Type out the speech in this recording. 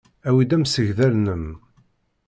Awi-d amsegdal-nnem.